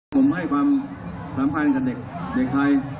ผมให้ความสำคัญกับเด็กไทย